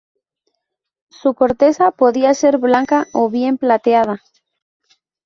Su corteza podía ser blanca o bien plateada.